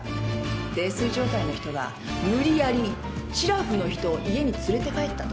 泥酔状態の人が無理やりしらふの人を家に連れて帰ったと？